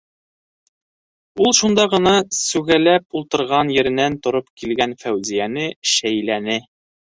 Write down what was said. - Ул шунда ғына сүгәләп ултырған еренән тороп килгән Фәүзиәне шәйләне.